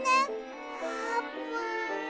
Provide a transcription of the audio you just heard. あーぷん。